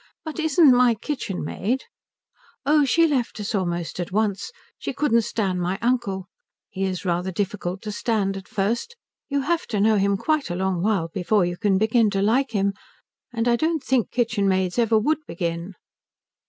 "But isn't my kitchenmaid ?" "Oh she left us almost at once. She couldn't stand my uncle. He is rather difficult to stand at first. You have to know him quite a long while before you can begin to like him. And I don't think kitchenmaids ever would begin."